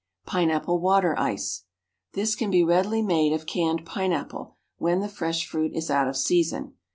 Pineapple Water Ice. This can be readily made of canned pineapple when the fresh fruit is out of season.